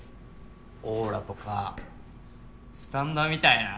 オーラとかスタンドみたいな？